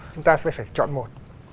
chúng ta sẽ phải chọn một